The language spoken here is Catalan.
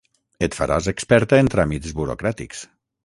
Et faràs experta en tràmits burocràtics!